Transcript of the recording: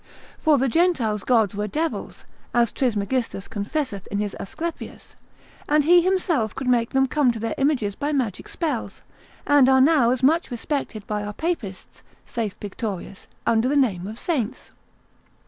For the Gentiles' gods were devils (as Trismegistus confesseth in his Asclepius), and he himself could make them come to their images by magic spells: and are now as much respected by our papists (saith Pictorius) under the name of saints.